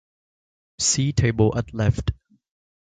See table at left.